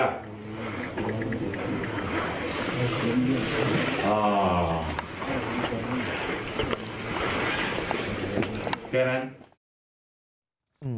โอเคดีไหม